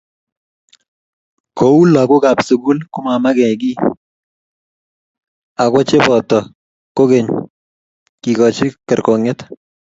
Kou lagokab sukul komamakekiy akocheboto kekoch kergongyet